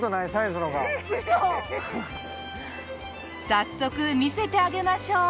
早速見せてあげましょう。